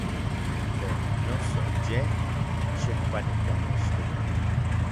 Tlen noso, yej xikpanijkanextikan.